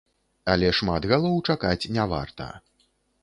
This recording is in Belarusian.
Але шмат галоў чакаць не варта.